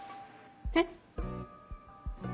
えっ？